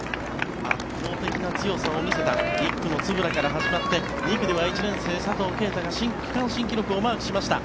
圧倒的な強さを見せた１区の円から始まって２区では１年生、佐藤圭汰が区間新記録をマークしました。